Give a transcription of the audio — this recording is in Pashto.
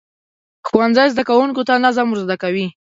ښوونځی زده کوونکو ته نظم ورزده کوي.